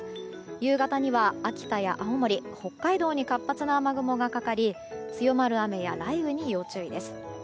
夕方には秋田や青森、北海道に活発な雨雲がかかり強まる雨や雷雨に要注意です。